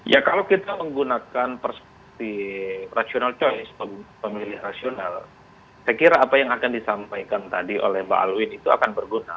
ya kalau kita menggunakan perspektif rasional choice pemilih rasional saya kira apa yang akan disampaikan tadi oleh mbak alwin itu akan berguna